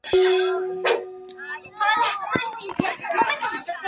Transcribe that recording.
Con esas lecciones construyó un acto de magia propio.